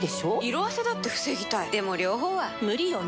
色あせだって防ぎたいでも両方は無理よね？